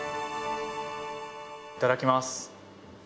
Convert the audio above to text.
いただきます！